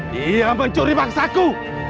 dia mencuri mangsaku